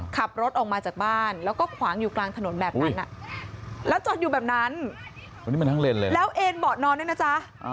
ขับรถออกมาจากบ้านแล้วก็ขวางอยู่กลางถนนแบบนั้นแล้วจอดอยู่แบบนั้นแล้วเอ็นเบาะนอนด้วยนะจ๊ะ